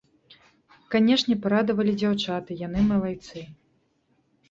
Канешне, парадавалі дзяўчаты, яны малайцы.